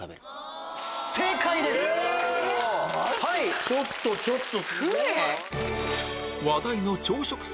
マジ⁉ちょっとちょっと！